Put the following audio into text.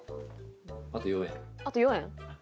あと４円？